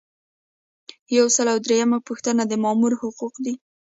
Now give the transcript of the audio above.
یو سل او دریمه پوښتنه د مامور حقوق دي.